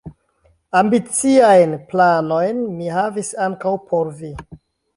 Ambiciajn planojn mi havas ankaŭ por vi.